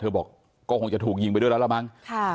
เธอบอกก็คงจะถูกยิงไปแล้วละบ้าง